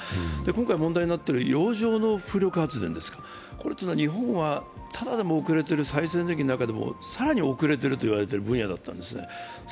今回、問題になっている洋上風力発電ですか、日本は、ただでも遅れている再生エネルギーの中でも更に遅れていると言われている分野だったんですね。